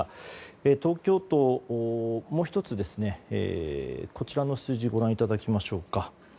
東京都、もう１つこちらの数字をご覧いただきましょうか。